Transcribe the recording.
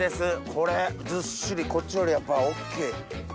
これずっしりこっちよりやっぱ大っきい。